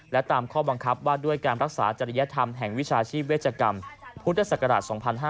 และตามข้อบังคับว่าด้วยการรักษาจริยธรรมแห่งวิชาชีพเวชกรรมพุทธศักราช๒๕๕๙